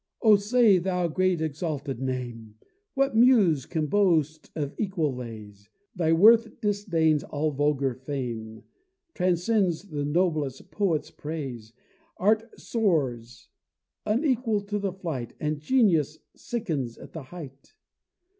O say, thou great, exalted name! What Muse can boast of equal lays, Thy worth disdains all vulgar fame, Transcends the noblest poet's praise. Art soars, unequal to the flight, And genius sickens at the height.